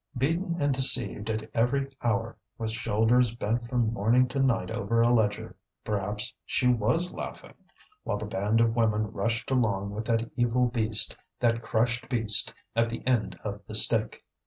Beaten and deceived at every hour, with shoulders bent from morning to night over a ledger, perhaps she was laughing, while the band of women rushed along with that evil beast, that crushed beast, at the end of the stick.